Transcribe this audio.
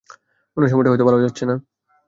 উনার সময়টা হয়তো ভালো যাচ্ছে না।